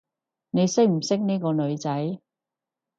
你識唔識呢個女仔？